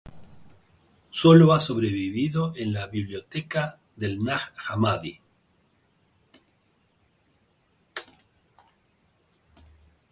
Sólo ha sobrevivido en la biblioteca del Nag Hammadi.